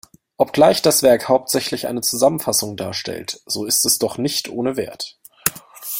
Obgleich das Werk hauptsächlich eine Zusammenfassung darstellt, so ist es doch nicht ohne Wert.